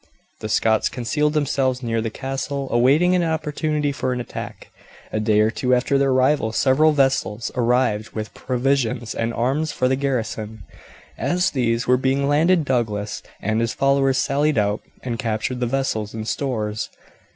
The Scots concealed themselves near the castle, awaiting an opportunity for an attack. A day or two after their arrival several vessels arrived with provisions and arms for the garrison. As these were being landed Douglas and his followers sallied out and captured the vessels and stores.